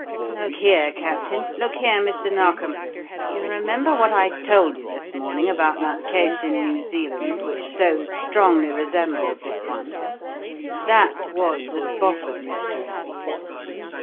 Look here, Captain, look here, Mr. Narkom, you remember what I told you this morning about that case in New Zealand which so strongly resembled this one? That was the Spofford mystery.